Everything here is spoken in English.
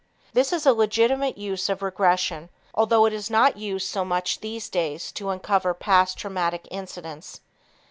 This is a legitimate use of regression although it is not used so much these days to uncover past traumatic incidents.